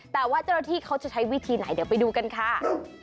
แต่ว่าเจ้าหน้าที่เขาจะใช้วิธีไหนเดี๋ยวไปดูกันค่ะ